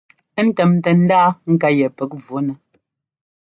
Ńtɛ́mtɛ ndaa ŋká yɛ pɛ́k vunɛ.